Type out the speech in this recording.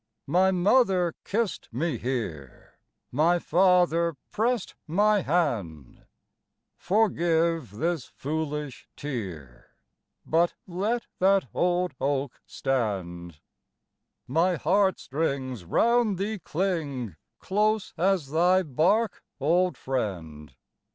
My mother kissed me here; My father pressed my hand Forgive this foolish tear, But let that old oak stand. My heart strings round thee cling, Close as thy bark, old friend!